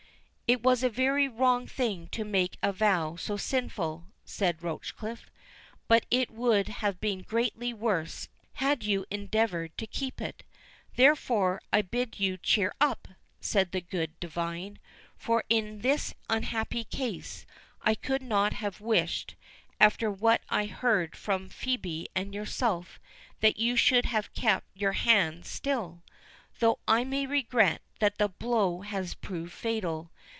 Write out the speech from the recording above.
"It was a very wrong thing to make a vow so sinful," said Rochecliffe; "but it would have been greatly worse had you endeavoured to keep it. Therefore, I bid you cheer up," said the good divine; "for in this unhappy case, I could not have wished, after what I have heard from Phœbe and yourself, that you should have kept your hand still, though I may regret that the blow has proved fatal.